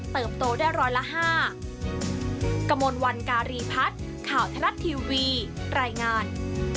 เติบโตได้ร้อยละห้ากระมวลวันการีพัฒน์ข่าวธนัดทีวีรายงาน